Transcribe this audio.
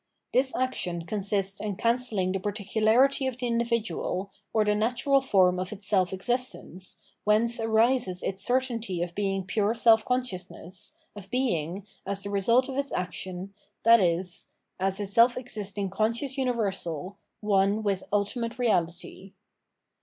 * This action consists in cancelling the particu larity of the individual, or the natural form of its self existence, whence arises its certainty of being pme self consciousness, of being, as the result of its * The cult. 564 Phenomenology of MM action, i.e. as a self existing conscious individual, one with ultimate Beality.